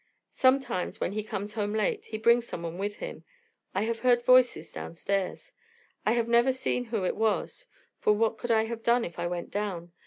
"Sometimes, when he comes home late, he brings someone with him; I have heard voices downstairs. I have never seen who it was for what could I have done if I went down?